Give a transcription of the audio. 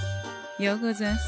ようござんす。